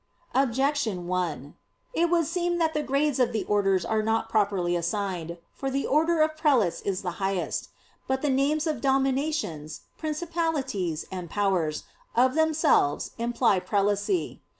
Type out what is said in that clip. Objection 1: It would seem that the grades of the orders are not properly assigned. For the order of prelates is the highest. But the names of "Dominations," "Principalities," and "Powers" of themselves imply prelacy.